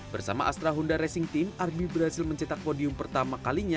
bersama astra honda racing team arbi berhasil mencetak podium pertama kalinya